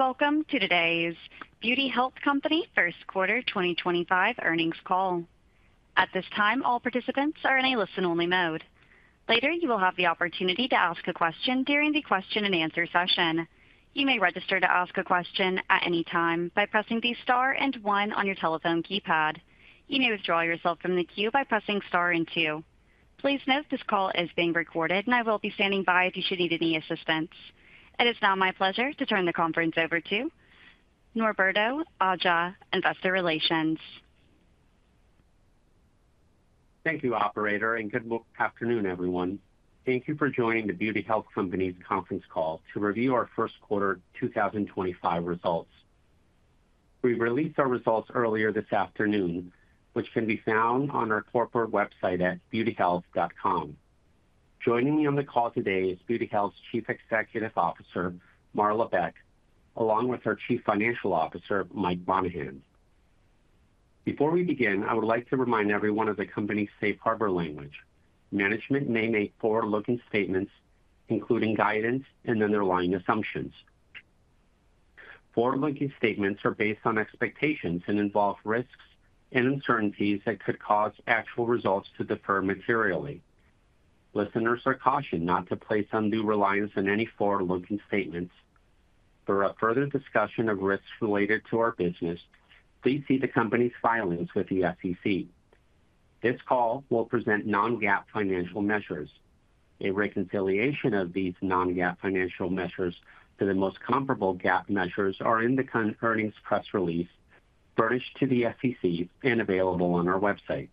Welcome to today's Beauty Health Company First Quarter 2025 Earnings Call. At this time, all participants are in a listen-only mode. Later, you will have the opportunity to ask a question during the question-and-answer session. You may register to ask a question at any time by pressing the star and one on your telephone keypad. You may withdraw yourself from the queue by pressing star and two. Please note this call is being recorded, and I will be standing by if you should need any assistance. It is now my pleasure to turn the conference over to Norberto Aja, Investor Relations. Thank you, Operator, and good afternoon, everyone. Thank you for joining the Beauty Health Company's conference call to review our first quarter 2025 results. We released our results earlier this afternoon, which can be found on our corporate website at beautyhealth.com. Joining me on the call today is Beauty Health's Chief Executive Officer, Marla Beck, along with our Chief Financial Officer, Mike Monahan. Before we begin, I would like to remind everyone of the company's safe harbor language. Management may make forward-looking statements, including guidance and underlying assumptions. Forward-looking statements are based on expectations and involve risks and uncertainties that could cause actual results to differ materially. Listeners are cautioned not to place undue reliance on any forward-looking statements. For further discussion of risks related to our business, please see the company's filings with the SEC. This call will present non-GAAP financial measures. A reconciliation of these non-GAAP financial measures to the most comparable GAAP measures is in the earnings press release furnished to the SEC and available on our website.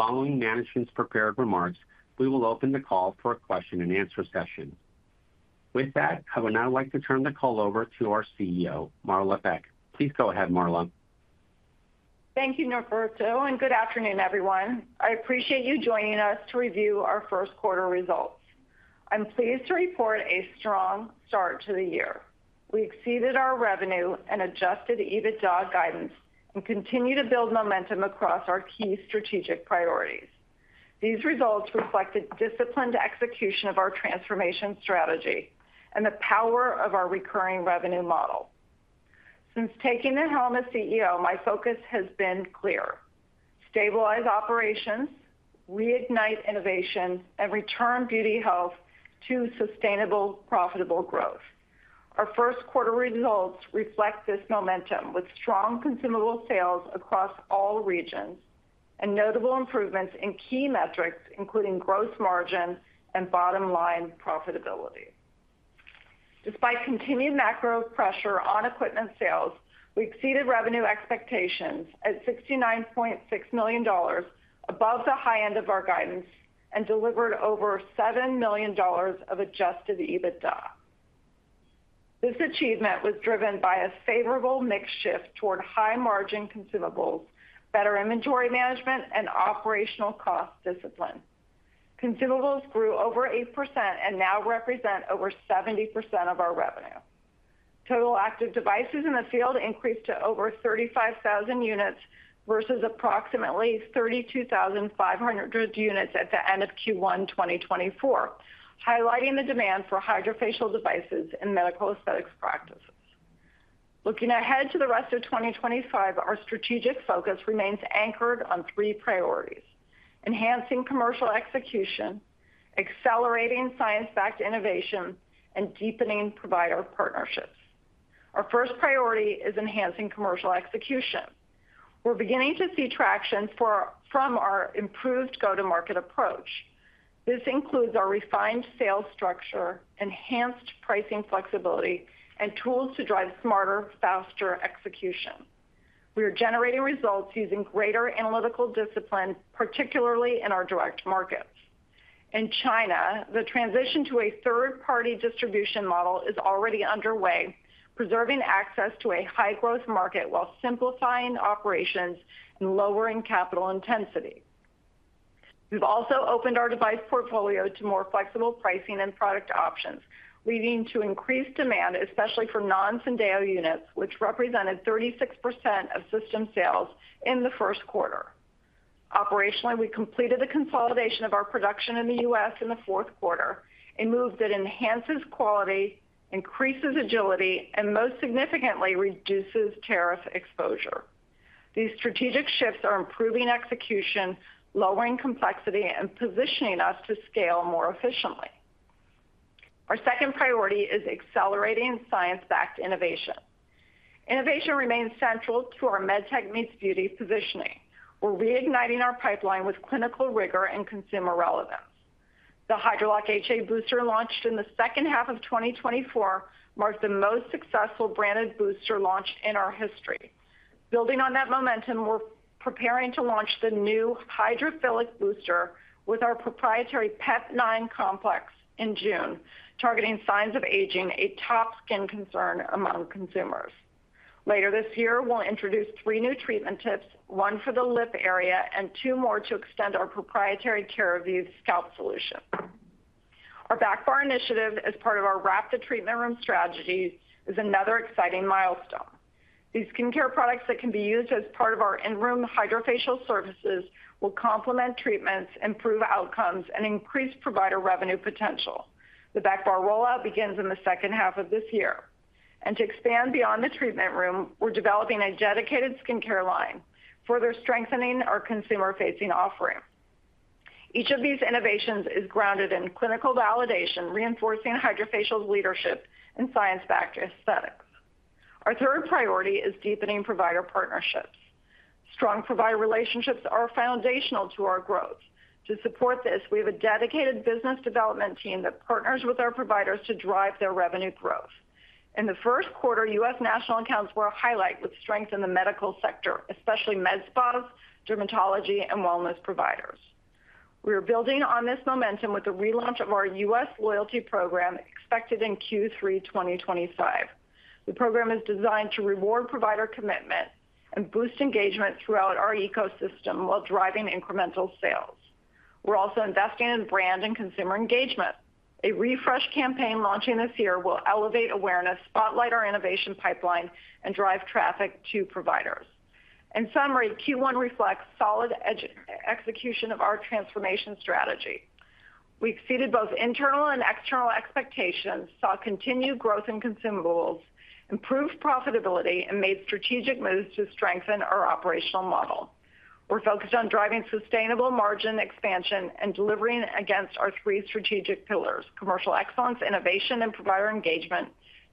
Following management's prepared remarks, we will open the call for a question-and-answer session. With that, I would now like to turn the call over to our CEO, Marla Beck. Please go ahead, Marla. Thank you, Norberto, and good afternoon, everyone. I appreciate you joining us to review our first quarter results. I'm pleased to report a strong start to the year. We exceeded our revenue and adjusted EBITDA guidance and continue to build momentum across our key strategic priorities. These results reflect a disciplined execution of our transformation strategy and the power of our recurring revenue model. Since taking the helm as CEO, my focus has been clear: stabilize operations, reignite innovation, and return Beauty Health to sustainable, profitable growth. Our first quarter results reflect this momentum, with strong consumable sales across all regions and notable improvements in key metrics, including gross margin and bottom-line profitability. Despite continued macro pressure on equipment sales, we exceeded revenue expectations at $69.6 million, above the high end of our guidance, and delivered over $7 million of adjusted EBITDA. This achievement was driven by a favorable mix shift toward high-margin consumables, better inventory management, and operational cost discipline. Consumables grew over 8% and now represent over 70% of our revenue. Total active devices in the field increased to over 35,000 units versus approximately 32,500 units at the end of Q1 2024, highlighting the demand for Hydrafacial devices in medical aesthetics practices. Looking ahead to the rest of 2025, our strategic focus remains anchored on three priorities: enhancing commercial execution, accelerating science-backed innovation, and deepening provider partnerships. Our first priority is enhancing commercial execution. We're beginning to see traction from our improved go-to-market approach. This includes our refined sales structure, enhanced pricing flexibility, and tools to drive smarter, faster execution. We are generating results using greater analytical discipline, particularly in our direct markets. In China, the transition to a third-party distribution model is already underway, preserving access to a high-growth market while simplifying operations and lowering capital intensity. We've also opened our device portfolio to more flexible pricing and product options, leading to increased demand, especially for non-Syndeo units, which represented 36% of system sales in the first quarter. Operationally, we completed the consolidation of our production in the U.S. in the fourth quarter, a move that enhances quality, increases agility, and most significantly, reduces tariff exposure. These strategic shifts are improving execution, lowering complexity, and positioning us to scale more efficiently. Our second priority is accelerating science-backed innovation. Innovation remains central to our MedTech Meets Beauty positioning. We're reigniting our pipeline with clinical rigor and consumer relevance. The Hydralock HA Booster launched in the second half of 2024 marked the most successful branded booster launch in our history. Building on that momentum, we're preparing to launch the new HydraFillic Booster with our proprietary Pep9 complex in June, targeting signs of aging, a top skin concern among consumers. Later this year, we'll introduce three new treatment tips, one for the lip area and two more to extend our proprietary Keravive Scalp Solution. Our Back Bar initiative, as part of our Rapid Treatment Room strategy, is another exciting milestone. These skincare products that can be used as part of our in-room Hydrafacial services will complement treatments, improve outcomes, and increase provider revenue potential. The Back Bar rollout begins in the second half of this year. To expand beyond the treatment room, we're developing a dedicated skincare line further strengthening our consumer-facing offering. Each of these innovations is grounded in clinical validation, reinforcing Hydrafacial leadership and science-backed aesthetics. Our third priority is deepening provider partnerships. Strong provider relationships are foundational to our growth. To support this, we have a dedicated business development team that partners with our providers to drive their revenue growth. In the first quarter, U.S. national accounts were a highlight with strength in the medical sector, especially med spas, dermatology, and wellness providers. We are building on this momentum with the relaunch of our U.S. loyalty program expected in Q3 2025. The program is designed to reward provider commitment and boost engagement throughout our ecosystem while driving incremental sales. We're also investing in brand and consumer engagement. A refresh campaign launching this year will elevate awareness, spotlight our innovation pipeline, and drive traffic to providers. In summary, Q1 reflects solid execution of our transformation strategy. We exceeded both internal and external expectations, saw continued growth in consumables, improved profitability, and made strategic moves to strengthen our operational model. We're focused on driving sustainable margin expansion and delivering against our three strategic pillars: commercial excellence, innovation, and provider engagement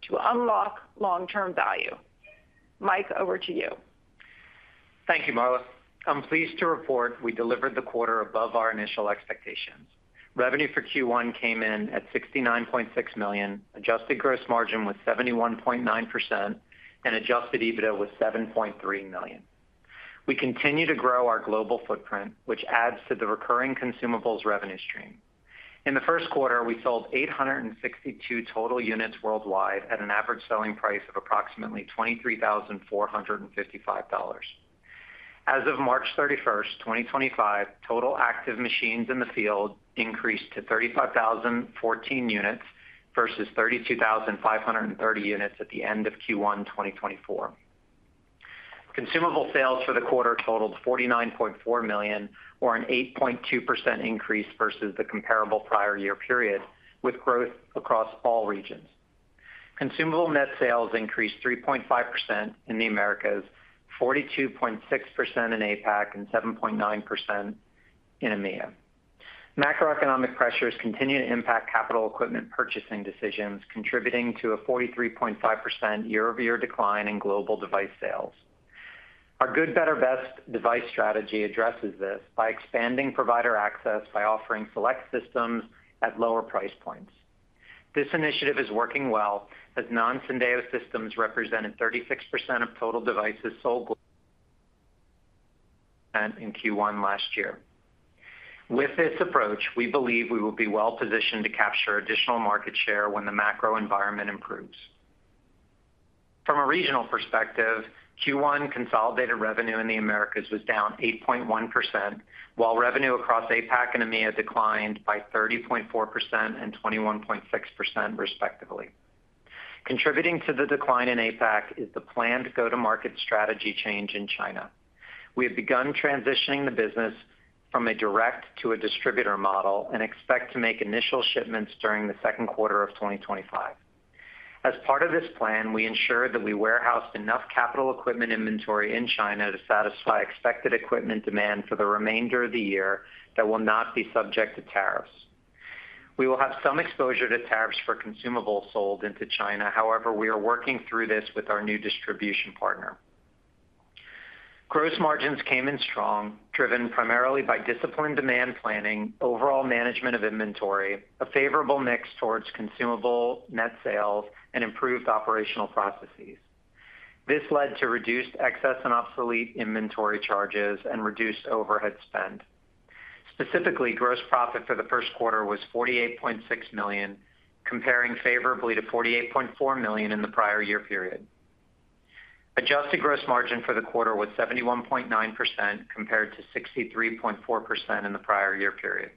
to unlock long-term value. Mike, over to you. Thank you, Marla. I'm pleased to report we delivered the quarter above our initial expectations. Revenue for Q1 came in at $69.6 million, adjusted gross margin was 71.9%, and adjusted EBITDA was $7.3 million. We continue to grow our global footprint, which adds to the recurring consumables revenue stream. In the first quarter, we sold 862 total units worldwide at an average selling price of approximately $23,455. As of March 31, 2025, total active machines in the field increased to 35,014 units versus 32,530 units at the end of Q1 2024. Consumable sales for the quarter totaled $49.4 million, or an 8.2% increase versus the comparable prior year period, with growth across all regions. Consumable net sales increased 3.5% in the Americas, 42.6% in APAC, and 7.9% in EMEA. Macroeconomic pressures continue to impact capital equipment purchasing decisions, contributing to a 43.5% year-over-year decline in global device sales. Our Good, Better, Best device strategy addresses this by expanding provider access by offering select systems at lower price points. This initiative is working well as non-Syndeo systems represented 36% of total devices sold in Q1 last year. With this approach, we believe we will be well positioned to capture additional market share when the macro environment improves. From a regional perspective, Q1 consolidated revenue in the Americas was down 8.1%, while revenue across APAC and EMEA declined by 30.4% and 21.6%, respectively. Contributing to the decline in APAC is the planned go-to-market strategy change in China. We have begun transitioning the business from a direct-to-distributor model and expect to make initial shipments during the second quarter of 2025. As part of this plan, we ensure that we warehouse enough capital equipment inventory in China to satisfy expected equipment demand for the remainder of the year that will not be subject to tariffs. We will have some exposure to tariffs for consumables sold into China; however, we are working through this with our new distribution partner. Gross margins came in strong, driven primarily by disciplined demand planning, overall management of inventory, a favorable mix towards consumable net sales, and improved operational processes. This led to reduced excess and obsolete inventory charges and reduced overhead spend. Specifically, gross profit for the first quarter was $48.6 million, comparing favorably to $48.4 million in the prior year period. Adjusted gross margin for the quarter was 71.9%, compared to 63.4% in the prior year period.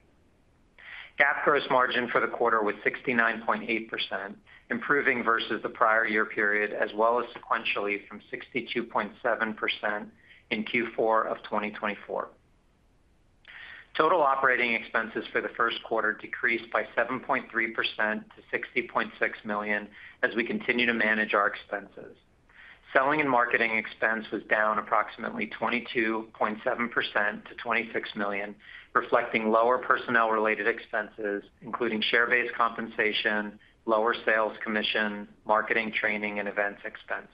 GAAP gross margin for the quarter was 69.8%, improving versus the prior year period, as well as sequentially from 62.7% in Q4 of 2024. Total operating expenses for the first quarter decreased by 7.3% to $60.6 million as we continue to manage our expenses. Selling and marketing expense was down approximately 22.7% to $26 million, reflecting lower personnel-related expenses, including share-based compensation, lower sales commission, marketing, training, and events expense.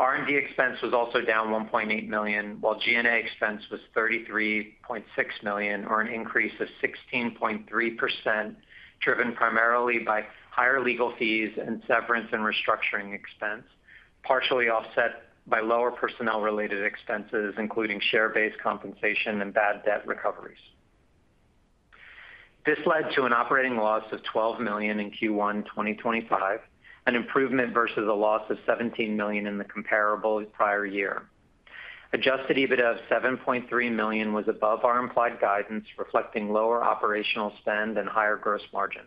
R&D expense was also down $1.8 million, while G&A expense was $33.6 million, or an increase of 16.3%, driven primarily by higher legal fees and severance and restructuring expense, partially offset by lower personnel-related expenses, including share-based compensation and bad debt recoveries. This led to an operating loss of $12 million in Q1 2025, an improvement versus a loss of $17 million in the comparable prior year. Adjusted EBITDA of $7.3 million was above our implied guidance, reflecting lower operational spend and higher gross margin.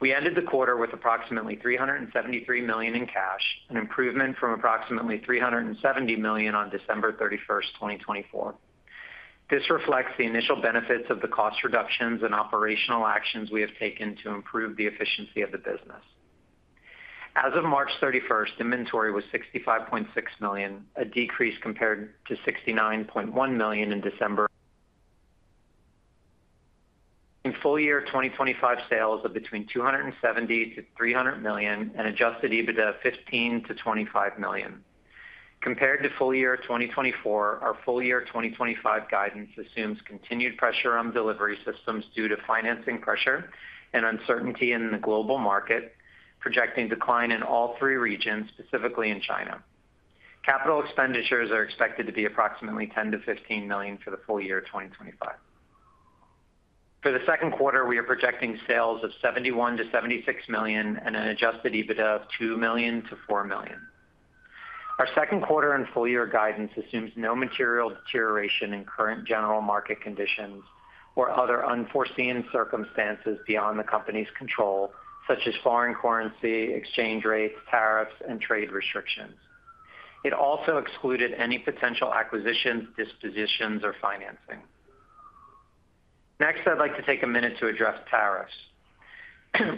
We ended the quarter with approximately $373 million in cash, an improvement from approximately $370 million on December 31st, 2024. This reflects the initial benefits of the cost reductions and operational actions we have taken to improve the efficiency of the business. As of March 31st, inventory was $65.6 million, a decrease compared to $69.1 million in December. In full year 2025, sales are between $270 million-$300 million and adjusted EBITDA of $15 million-$25 million. Compared to full year 2024, our full year 2025 guidance assumes continued pressure on delivery systems due to financing pressure and uncertainty in the global market, projecting decline in all three regions, specifically in China. Capital expenditures are expected to be approximately $10 million-$15 million for the full year 2025. For the second quarter, we are projecting sales of $71 million-$76 million and an adjusted EBITDA of $2 million-$4 million. Our second quarter and full year guidance assumes no material deterioration in current general market conditions or other unforeseen circumstances beyond the company's control, such as foreign currency, exchange rates, tariffs, and trade restrictions. It also excluded any potential acquisitions, dispositions, or financing. Next, I'd like to take a minute to address tariffs.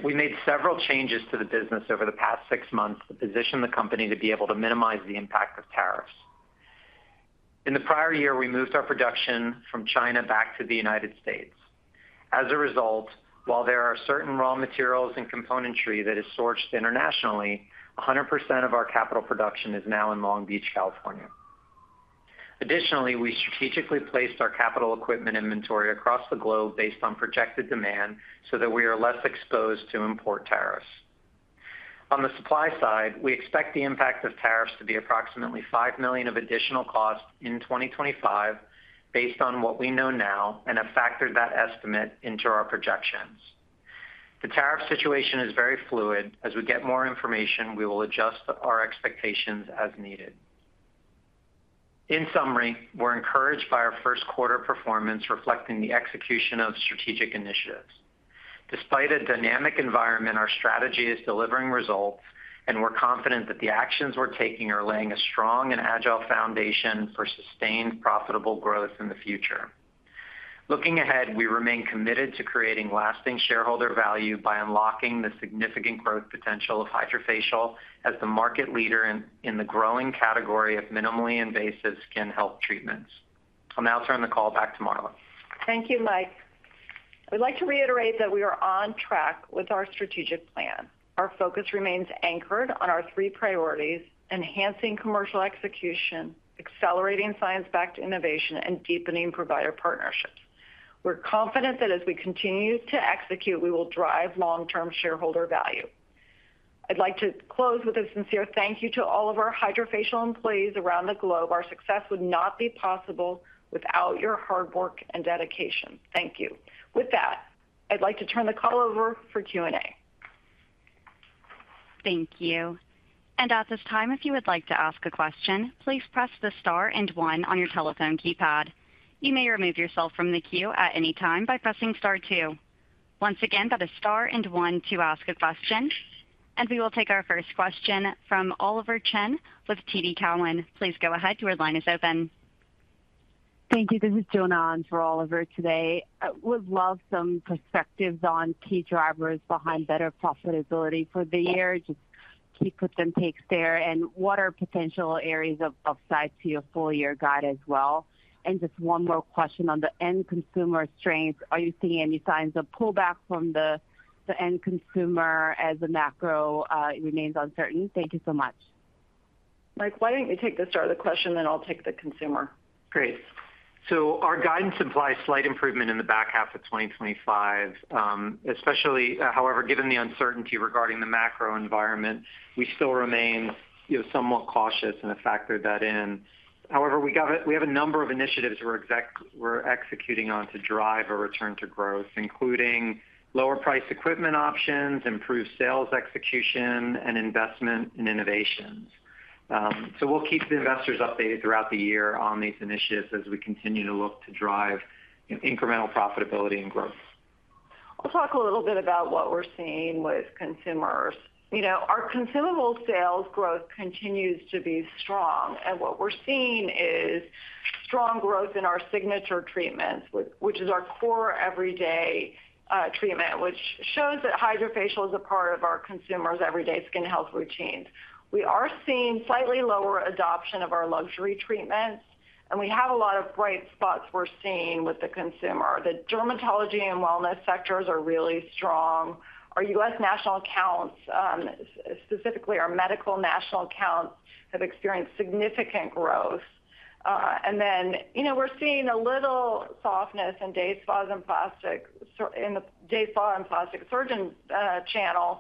We made several changes to the business over the past six months to position the company to be able to minimize the impact of tariffs. In the prior year, we moved our production from China back to the United States. As a result, while there are certain raw materials and componentry that are sourced internationally, 100% of our capital production is now in Long Beach, California. Additionally, we strategically placed our capital equipment inventory across the globe based on projected demand so that we are less exposed to import tariffs. On the supply side, we expect the impact of tariffs to be approximately $5 million of additional cost in 2025, based on what we know now and have factored that estimate into our projections. The tariff situation is very fluid. As we get more information, we will adjust our expectations as needed. In summary, we're encouraged by our first quarter performance, reflecting the execution of strategic initiatives. Despite a dynamic environment, our strategy is delivering results, and we're confident that the actions we're taking are laying a strong and agile foundation for sustained profitable growth in the future. Looking ahead, we remain committed to creating lasting shareholder value by unlocking the significant growth potential of Hydrafacial as the market leader in the growing category of minimally invasive skin health treatments. I'll now turn the call back to Marla. Thank you, Mike. I would like to reiterate that we are on track with our strategic plan. Our focus remains anchored on our three priorities: enhancing commercial execution, accelerating science-backed innovation, and deepening provider partnerships. We're confident that as we continue to execute, we will drive long-term shareholder value. I'd like to close with a sincere thank you to all of our Hydrafacial employees around the globe. Our success would not be possible without your hard work and dedication. Thank you. With that, I'd like to turn the call over for Q&A. Thank you. At this time, if you would like to ask a question, please press the star and one on your telephone keypad. You may remove yourself from the queue at any time by pressing star two. Once again, that is star and one to ask a question. We will take our first question from Oliver Chen with TD Cowen. Please go ahead, the line is open. Thank you. This is Jonna on for Oliver today. I would love some perspectives on key drivers behind better profitability for the year, just keep what's in place there, and what are potential areas of upside to your full year guide as well. Just one more question on the end consumer strength. Are you seeing any signs of pullback from the end consumer as the macro remains uncertain? Thank you so much. Mike, why don't you take the start of the question, then I'll take the consumer. Great. Our guidance implies slight improvement in the back half of 2025. However, given the uncertainty regarding the macro environment, we still remain somewhat cautious and have factored that in. However, we have a number of initiatives we're executing on to drive a return to growth, including lower-priced equipment options, improved sales execution, and investment in innovations. We will keep the investors updated throughout the year on these initiatives as we continue to look to drive incremental profitability and growth. I'll talk a little bit about what we're seeing with consumers. Our consumable sales growth continues to be strong, and what we're seeing is strong growth in our signature treatments, which is our core everyday treatment, which shows that Hydrafacial is a part of our consumers' everyday skin health routines. We are seeing slightly lower adoption of our luxury treatments, and we have a lot of bright spots we're seeing with the consumer. The dermatology and wellness sectors are really strong. Our U.S. national accounts, specifically our medical national accounts, have experienced significant growth. We are seeing a little softness in day spa and plastic surgeon channels.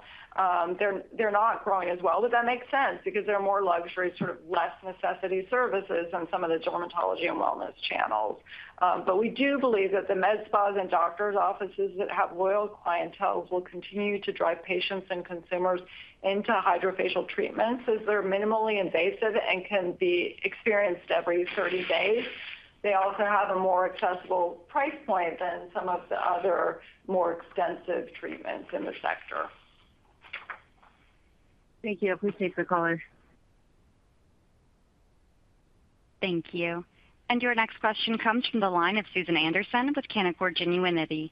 They're not growing as well, but that makes sense because they're more luxury, sort of less necessity services than some of the dermatology and wellness channels. We do believe that the med spas and doctors' offices that have loyal clientele will continue to drive patients and consumers into Hydrafacial treatments as they're minimally invasive and can be experienced every 30 days. They also have a more accessible price point than some of the other more expensive treatments in the sector. Thank you. Appreciate the callers. Thank you. Your next question comes from the line of Susan Anderson with Canaccord Genuity.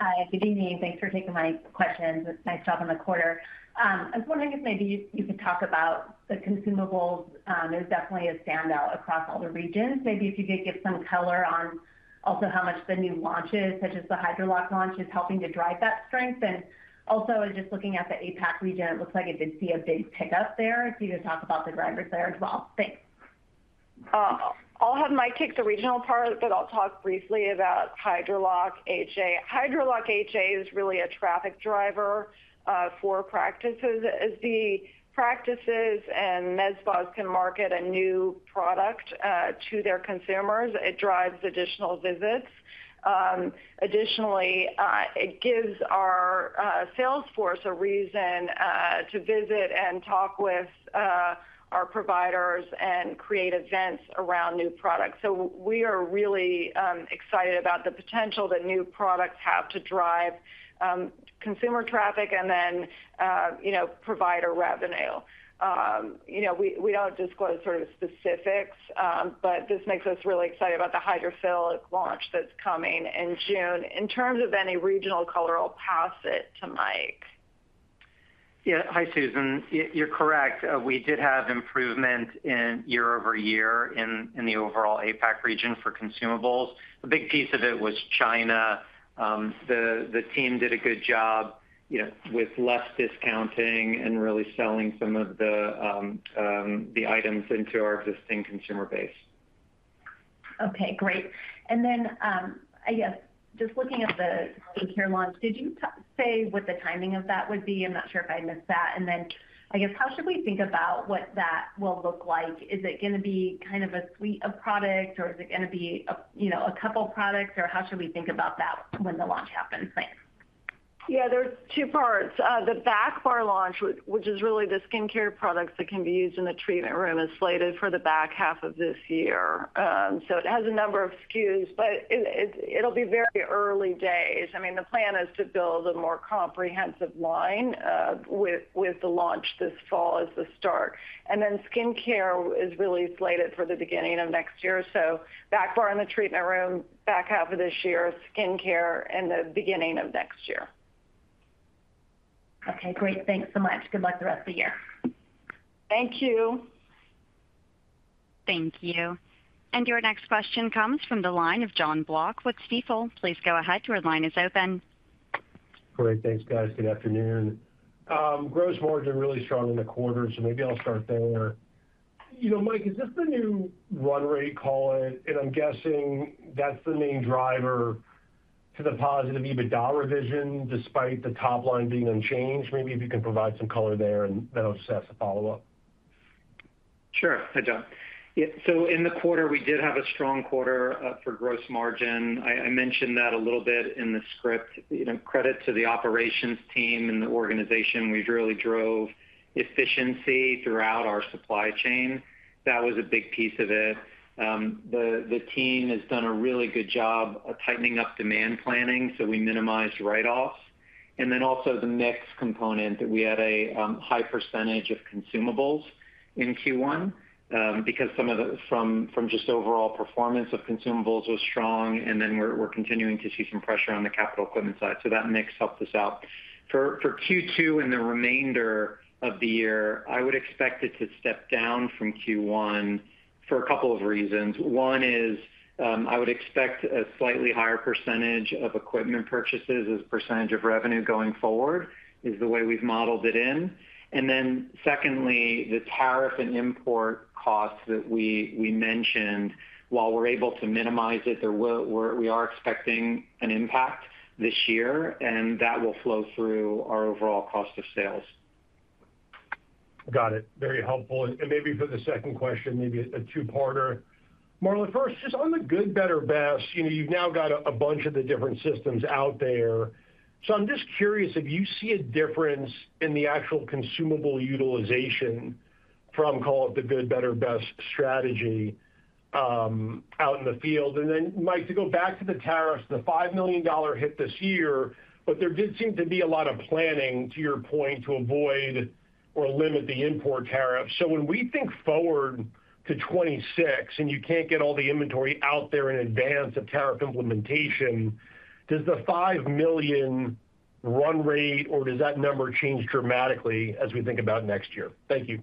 Hi, good evening. Thanks for taking my question. Nice job on the quarter. I was wondering if maybe you could talk about the consumables. There's definitely a standout across all the regions. Maybe if you could give some color on also how much the new launches, such as the Hydralock launch, is helping to drive that strength. Also, just looking at the APAC region, it looks like it did see a big pickup there. If you could talk about the drivers there as well. Thanks. I'll have Mike take the regional part, but I'll talk briefly about Hydralock HA. Hydralock HA is really a traffic driver for practices. As the practices and med spas can market a new product to their consumers, it drives additional visits. Additionally, it gives our salesforce a reason to visit and talk with our providers and create events around new products. We are really excited about the potential that new products have to drive consumer traffic and then provider revenue. We do not disclose sort of specifics, but this makes us really excited about the HydraFillic launch that is coming in June. In terms of any regional color, I'll pass it to Mike. Yeah. Hi, Susan. You're correct. We did have improvement year over year in the overall APAC region for consumables. A big piece of it was China. The team did a good job with less discounting and really selling some of the items into our existing consumer base. Okay. Great. I guess, just looking at the skincare launch, did you say what the timing of that would be? I'm not sure if I missed that. I guess, how should we think about what that will look like? Is it going to be kind of a suite of products, or is it going to be a couple of products, or how should we think about that when the launch happens? Yeah, there's two parts. The Back Bar launch, which is really the skincare products that can be used in the treatment room, is slated for the back half of this year. It has a number of SKUs, but it'll be very early days. I mean, the plan is to build a more comprehensive line with the launch this fall as the start. And then skincare is really slated for the beginning of next year. Back Bar in the treatment room, back half of this year, skincare in the beginning of next year. Okay. Great. Thanks so much. Good luck the rest of the year. Thank you. Thank you. Your next question comes from the line of Jon Block with Stifel. Please go ahead. Your line is open. Great. Thanks, guys. Good afternoon. Gross margin really strong in the quarter, so maybe I'll start there. You know, Mike, is this the new run rate, call it? And I'm guessing that's the main driver to the positive EBITDA revision, despite the top line being unchanged. Maybe if you can provide some color there, and then I'll just ask a follow-up. Sure. Hi, Jon. In the quarter, we did have a strong quarter for gross margin. I mentioned that a little bit in the script. Credit to the operations team and the organization. We really drove efficiency throughout our supply chain. That was a big piece of it. The team has done a really good job tightening up demand planning, so we minimized write-offs. Also, the mix component that we had a high percentage of consumables in Q1 because some of it from just overall performance of consumables was strong, and we are continuing to see some pressure on the capital equipment side. That mix helped us out. For Q2 and the remainder of the year, I would expect it to step down from Q1 for a couple of reasons. One is I would expect a slightly higher percentage of equipment purchases as a percentage of revenue going forward is the way we've modeled it in. Then secondly, the tariff and import costs that we mentioned, while we're able to minimize it, we are expecting an impact this year, and that will flow through our overall cost of sales. Got it. Very helpful. Maybe for the second question, maybe a two-parter. Marla, first, just on the good, better, best, you've now got a bunch of the different systems out there. I'm just curious, have you seen a difference in the actual consumable utilization from, call it, the good, better, best strategy out in the field? Mike, to go back to the tariffs, the $5 million hit this year, but there did seem to be a lot of planning, to your point, to avoid or limit the import tariffs. When we think forward to 2026 and you can't get all the inventory out there in advance of tariff implementation, does the $5 million run rate or does that number change dramatically as we think about next year? Thank you.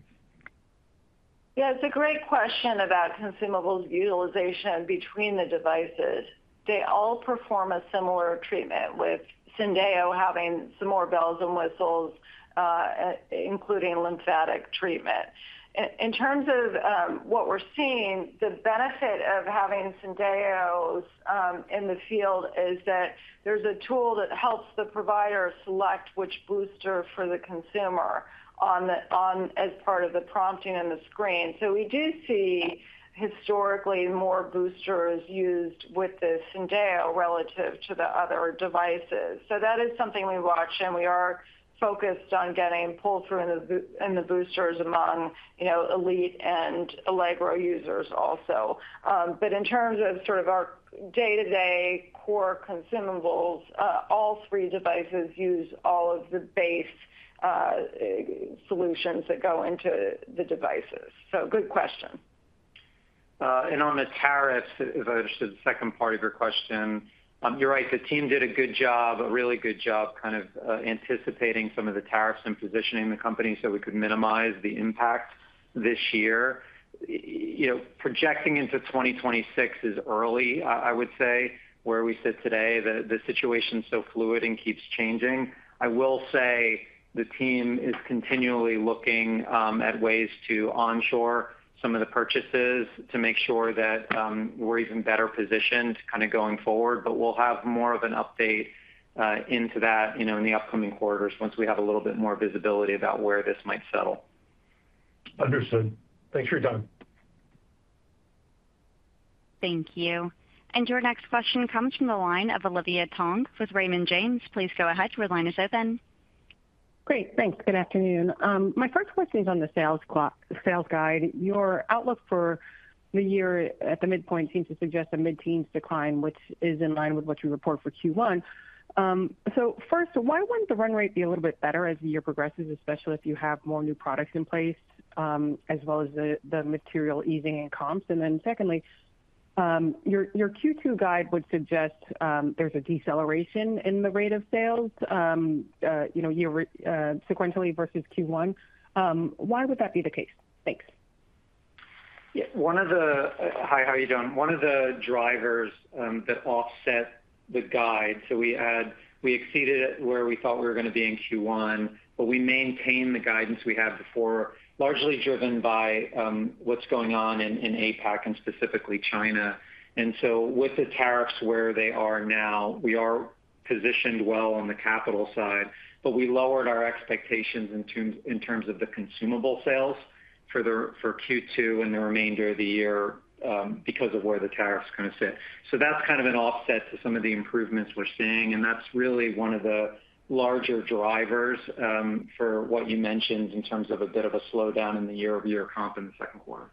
Yeah, it's a great question about consumables utilization between the devices. They all perform a similar treatment, with Syndeo having some more bells and whistles, including lymphatic treatment. In terms of what we're seeing, the benefit of having Syndeo in the field is that there's a tool that helps the provider select which booster for the consumer as part of the prompting on the screen. We do see historically more boosters used with the Syndeo relative to the other devices. That is something we watch, and we are focused on getting pull-through in the boosters among Elite and Allegro users also. In terms of sort of our day-to-day core consumables, all three devices use all of the base solutions that go into the devices. Good question. On the tariffs, if I understood the second part of your question, you're right. The team did a good job, a really good job kind of anticipating some of the tariffs and positioning the company so we could minimize the impact this year. Projecting into 2026 is early, I would say, where we sit today. The situation is so fluid and keeps changing. I will say the team is continually looking at ways to onshore some of the purchases to make sure that we're even better positioned kind of going forward, but we'll have more of an update into that in the upcoming quarters once we have a little bit more visibility about where this might settle. Understood. Thanks for your time. Thank you. Your next question comes from the line of Olivia Tong with Raymond James. Please go ahead. Your line is open. Great. Thanks. Good afternoon. My first question is on the sales guide. Your outlook for the year at the midpoint seems to suggest a mid-teens decline, which is in line with what you report for Q1. First, why wouldn't the run rate be a little bit better as the year progresses, especially if you have more new products in place as well as the material easing and comps? Secondly, your Q2 guide would suggest there's a deceleration in the rate of sales sequentially versus Q1. Why would that be the case? Thanks. Yeah. One of the—hi, how are you doing?—one of the drivers that offset the guide. We exceeded where we thought we were going to be in Q1, but we maintain the guidance we had before, largely driven by what's going on in APAC and specifically China. With the tariffs where they are now, we are positioned well on the capital side, but we lowered our expectations in terms of the consumable sales for Q2 and the remainder of the year because of where the tariffs kind of sit. That is kind of an offset to some of the improvements we're seeing, and that's really one of the larger drivers for what you mentioned in terms of a bit of a slowdown in the year-over-year comp in the second quarter.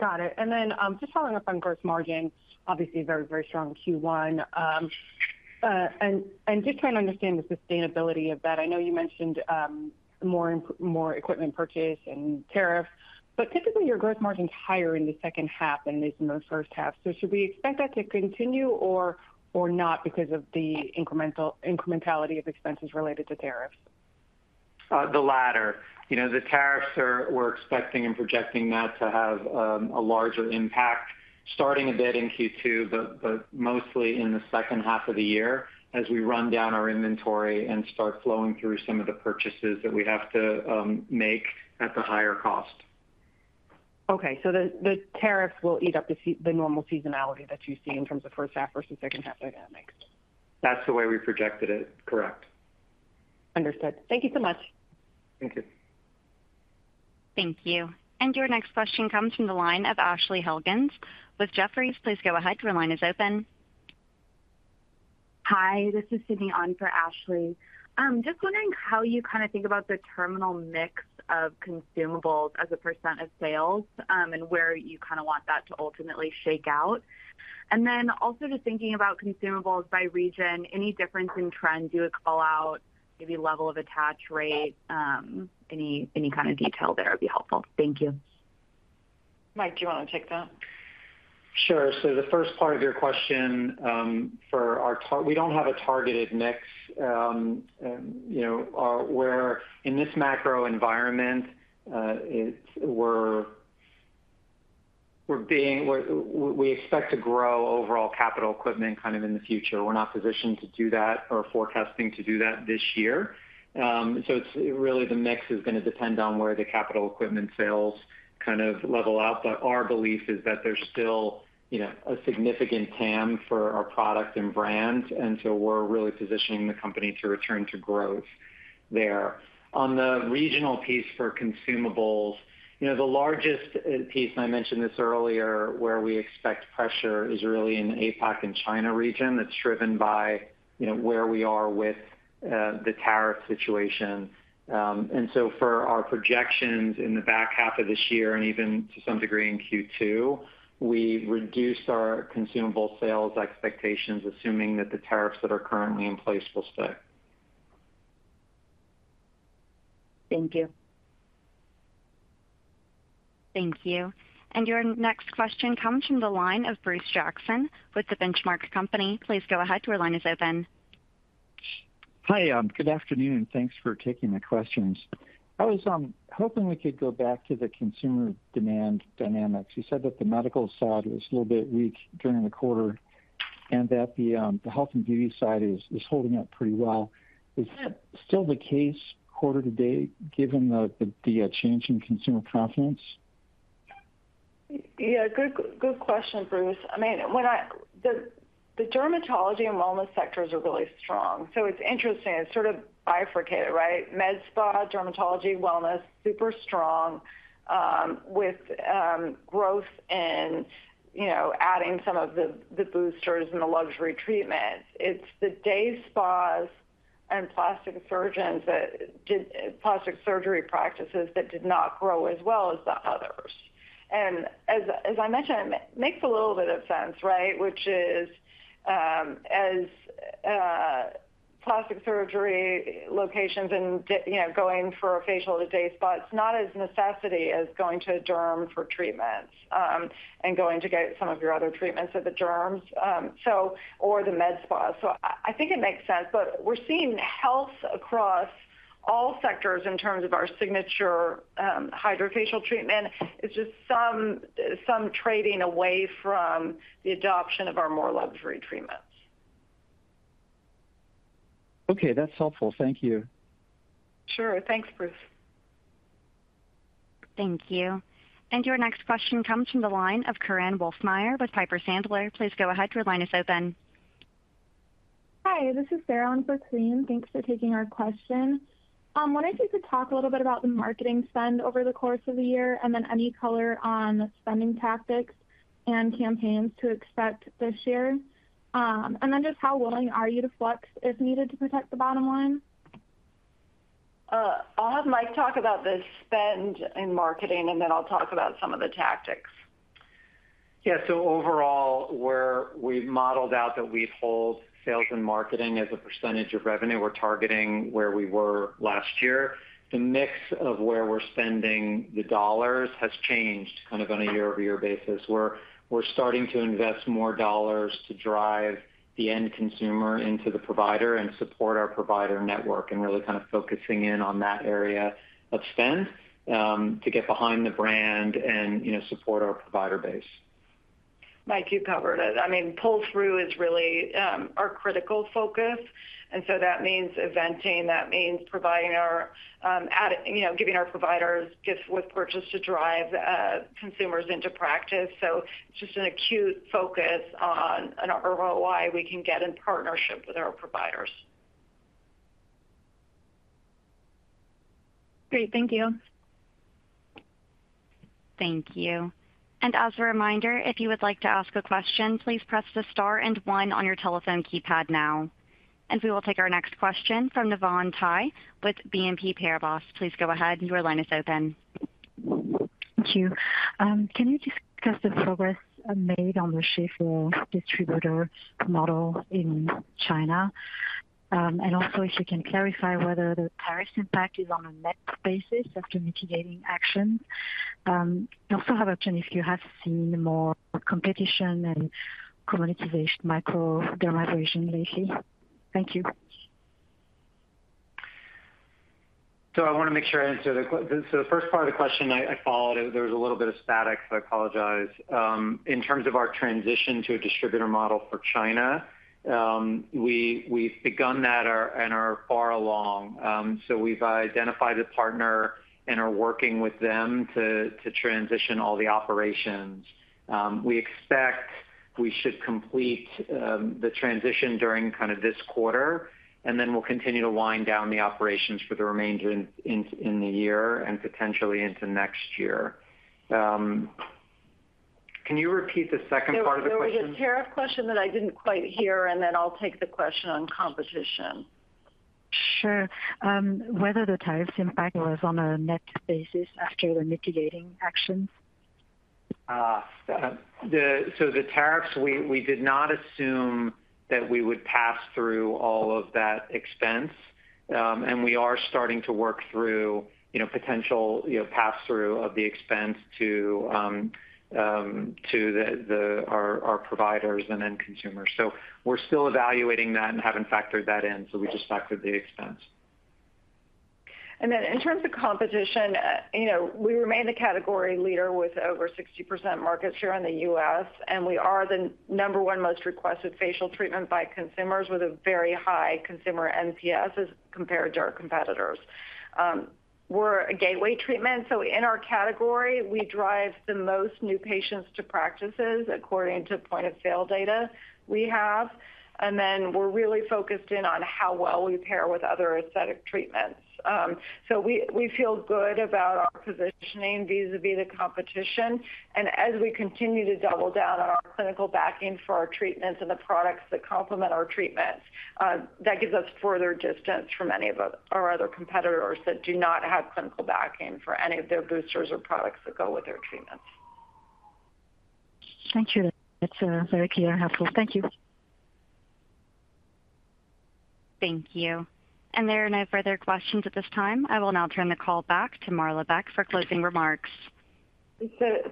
Got it. And then just following up on gross margin, obviously very, very strong Q1. Just trying to understand the sustainability of that. I know you mentioned more equipment purchase and tariffs, but typically your gross margin is higher in the second half than it is in the first half. Should we expect that to continue or not because of the incrementality of expenses related to tariffs? The latter. The tariffs, we're expecting and projecting that to have a larger impact starting a bit in Q2, but mostly in the second half of the year as we run down our inventory and start flowing through some of the purchases that we have to make at the higher cost. Okay. The tariffs will eat up the normal seasonality that you see in terms of first half versus second half dynamics. That's the way we projected it. Correct. Understood. Thank you so much. Thank you. Thank you. Your next question comes from the line of Ashley Helgans with Jefferies. Please go ahead. Your line is open. Hi, this is Sydney On for Ashley. Just wondering how you kind of think about the terminal mix of consumables as a percent of sales and where you kind of want that to ultimately shake out. Also, just thinking about consumables by region, any difference in trend, do you call out maybe level of attach rate, any kind of detail there would be helpful. Thank you. Mike, do you want to take that? Sure. The first part of your question for our—we do not have a targeted mix. In this macro environment, we expect to grow overall capital equipment kind of in the future. We are not positioned to do that or forecasting to do that this year. Really the mix is going to depend on where the capital equipment sales kind of level out. Our belief is that there is still a significant TAM for our product and brand, and we are really positioning the company to return to growth there. On the regional piece for consumables, the largest piece, and I mentioned this earlier, where we expect pressure is really in the APAC and China region. That is driven by where we are with the tariff situation. For our projections in the back half of this year and even to some degree in Q2, we reduced our consumable sales expectations assuming that the tariffs that are currently in place will stay. Thank you. Thank you. Your next question comes from the line of Bruce Jackson with The Benchmark Company. Please go ahead. Your line is open. Hi, good afternoon. Thanks for taking my questions. I was hoping we could go back to the consumer demand dynamics. You said that the medical side was a little bit weak during the quarter and that the health and beauty side is holding up pretty well. Is that still the case quarter to date given the change in consumer confidence? Yeah. Good question, Bruce. I mean, the dermatology and wellness sectors are really strong. It's interesting. It's sort of bifurcated, right? Med spa, dermatology, wellness, super strong with growth and adding some of the boosters and the luxury treatments. It's the day spas and plastic surgeons, the plastic surgery practices that did not grow as well as the others. As I mentioned, it makes a little bit of sense, right? Which is as plastic surgery locations and going for a facial to day spa, it's not as much a necessity as going to a derm for treatments and going to get some of your other treatments at the derms or the med spa. I think it makes sense, but we're seeing health across all sectors in terms of our signature Hydrafacial treatment. It's just some trading away from the adoption of our more luxury treatments. Okay. That's helpful. Thank you. Sure. Thanks, Bruce. Thank you. Your next question comes from the line of Korinne Wolfmeyer with Piper Sandler. Please go ahead. Your line is open. Hi, this is Sarah on for Korinne. Thanks for taking our question. I wonder if you could talk a little bit about the marketing spend over the course of the year and then any color on spending tactics and campaigns to expect this year. And then just how willing are you to flex if needed to protect the bottom line? I'll have Mike talk about the spend and marketing, and then I'll talk about some of the tactics. Yeah. So overall, we've modeled out that we hold sales and marketing as a percentage of revenue. We're targeting where we were last year. The mix of where we're spending the dollars has changed kind of on a year-over-year basis. We're starting to invest more dollars to drive the end consumer into the provider and support our provider network and really kind of focusing in on that area of spend to get behind the brand and support our provider base. Mike, you covered it. I mean, pull-through is really our critical focus. That means eventing. That means providing or giving our providers gifts with purchase to drive consumers into practice. It is just an acute focus on an ROI we can get in partnership with our providers. Great. Thank you. Thank you. As a reminder, if you would like to ask a question, please press the star and one on your telephone keypad now. We will take our next question from Navvan Ty with BNP Paribas. Please go ahead. Your line is open. Thank you. Can you discuss the progress made on the shift for distributor model in China? Also, if you can clarify whether the tariff impact is on a net basis after mitigating actions. You also have a chance if you have seen more competition and commoditization micro-dermization lately. Thank you. I want to make sure I answer the first part of the question I followed, there was a little bit of static, so I apologize. In terms of our transition to a distributor model for China, we've begun that and are far along. We've identified a partner and are working with them to transition all the operations. We expect we should complete the transition during kind of this quarter, and then we'll continue to wind down the operations for the remainder in the year and potentially into next year. Can you repeat the second part of the question? Yeah. It was a tariff question that I didn't quite hear, and then I'll take the question on competition. Sure. Whether the tariff impact was on a net basis after the mitigating actions? The tariffs, we did not assume that we would pass through all of that expense, and we are starting to work through potential pass-through of the expense to our providers and end consumers. We are still evaluating that and have not factored that in. We just factored the expense. In terms of competition, we remain the category leader with over 60% market share in the U.S., and we are the number one most requested facial treatment by consumers with a very high consumer NPS as compared to our competitors. We are a gateway treatment. In our category, we drive the most new patients to practices according to point-of-sale data we have. We are really focused in on how well we pair with other aesthetic treatments. We feel good about our positioning vis-à-vis the competition. As we continue to double down on our clinical backing for our treatments and the products that complement our treatments, that gives us further distance from any of our other competitors that do not have clinical backing for any of their boosters or products that go with their treatments. Thank you. That's very clear and helpful. Thank you. Thank you. There are no further questions at this time. I will now turn the call back to Marla Beck for closing remarks.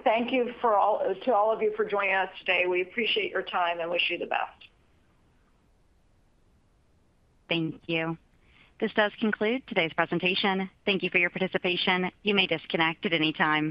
Thank you to all of you for joining us today. We appreciate your time and wish you the best. Thank you. This does conclude today's presentation. Thank you for your participation. You may disconnect at any time.